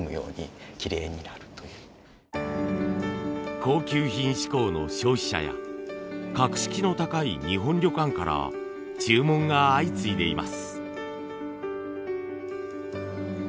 高級品志向の消費者や格式の高い日本旅館から注文が相次いでいます。